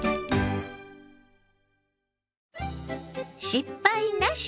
「失敗なし！